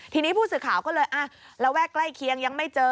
ทีนี้ผู้สื่อข่าวก็เลยระแวกใกล้เคียงยังไม่เจอ